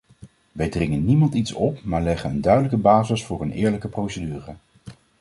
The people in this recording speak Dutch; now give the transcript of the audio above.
Wij dringen niemand iets op maar leggen een duidelijke basis voor een eerlijke procedure.